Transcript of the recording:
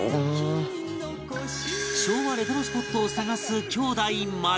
昭和レトロスポットを探す兄妹まで